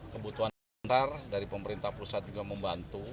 kebutuhan pintar dari pemerintah pusat juga membantu